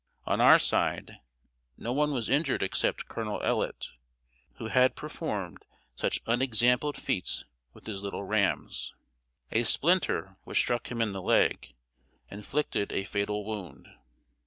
On our side, no one was injured except Colonel Ellet, who had performed such unexampled feats with his little rams. A splinter, which struck him in the leg, inflicted a fatal wound.